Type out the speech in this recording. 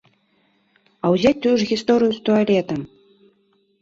А ўзяць тую ж гісторыю з туалетам.